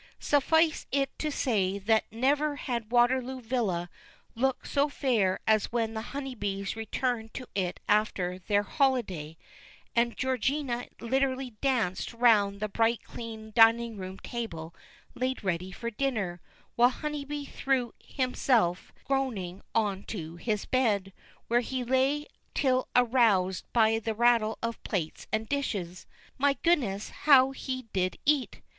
Suffice it to say that never had Waterloo Villa looked so fair as when the Honeybees returned to it after their "holiday," and Georgina literally danced round the bright clean dining room table laid ready for dinner, while Honeybee threw himself groaning on to his bed, where he lay till aroused by the rattle of plates and dishes. My goodness, how he did eat!